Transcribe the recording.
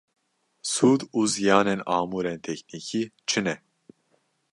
Sûd û ziyanên amûrên teknîkî çi ne?